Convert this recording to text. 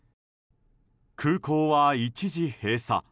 空港は一時閉鎖。